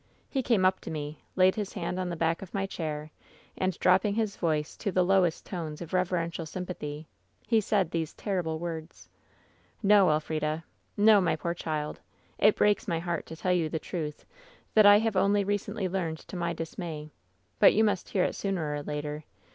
^^He came up to me, laid his hand on the back of my chair, and dropping his voice to the lowest tones of reverential sympathy, he said these terrible words :" ^No, Elf rida I No, my poor child ! It breaks my heart to tell yon the truth, that I have only recently learned to my dismay ; bnt you must hear it sooner or later.